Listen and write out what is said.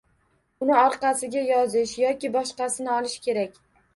Uni orqasiga yozish yoki boshqasini olish kerak.